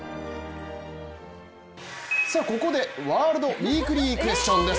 ここでワールドウィークリークエスチョンです。